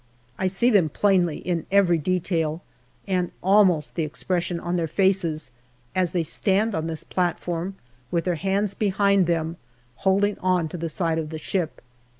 I see them plainly in every detail, and almost the expression on their faces, as they stand on this platform with their hands behind them, holding on to the side of the ship.